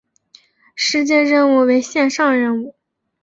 事件任务为线上任务。